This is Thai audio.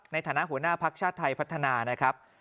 ในฐานะหัวหน้าภักดิ์ชาติไทยพัฒนานะครับ